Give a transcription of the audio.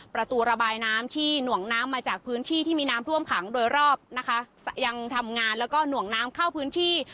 ประตูระบายน้ำที่หน่วงน้ำมาจากพื้นที่ที่มีน้ำท่วมขังโดยรอบนะคะยังทำงานแล้วก็หน่วงน้ำเข้าพื้นที่